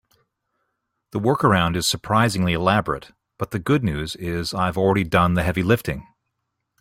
The workaround is surprisingly elaborate, but the good news is I've already done the heavy lifting.